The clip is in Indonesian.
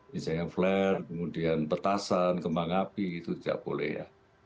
misalnya flare kemudian petasan kembang api itu tidak boleh ya